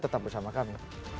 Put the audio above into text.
tetap bersama kami